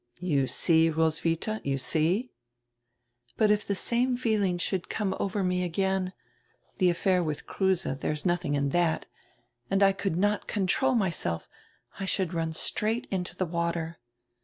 "You see, Roswitha, you see." "But if die same feeling should come over me again — die affair with Kruse, diere is nothing in diat — and I could not control myself, I should run straight into die water.